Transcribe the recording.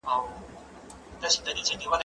زه سبزیجات وچولي دي!.